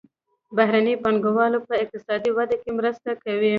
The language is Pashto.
بهرنۍ پانګونه په اقتصادي وده کې مرسته کوي.